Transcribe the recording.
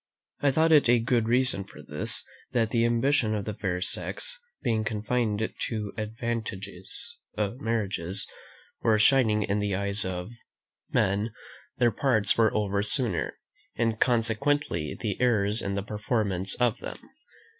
I thought it a good reason for this, that the ambition of the fair sex being confined to advantageous marriages, or shining in the eyes of men, their parts were over sooner, and consequently the errors in the performance of them.